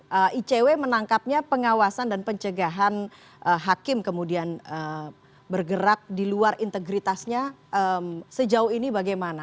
bapak ibu bapak ibu menangkapnya pengawasan dan pencegahan hakim kemudian bergerak di luar integritasnya sejauh ini bagaimana